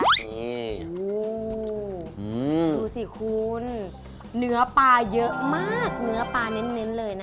นี่โอ้โหอืมดูสิคุณเนื้อปลาเยอะมากเนื้อปลาเน้นเน้นเลยนะคะ